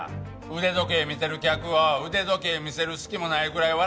腕時計見てる客を腕時計見せる隙もないくらい笑